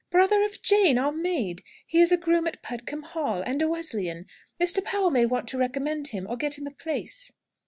"Brother of Jane, our maid. He is a groom at Pudcombe Hall, and a Wesleyan. Mr. Powell may want to recommend him, or get him a place."